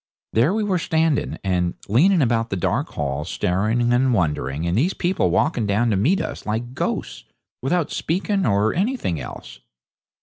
There we were standing and leaning about the dark hall, staring and wondering, and these people walking down to meet us like ghosts, without speaking or anything else.